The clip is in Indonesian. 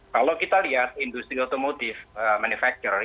kalau kita lihat industri otomotif manufacture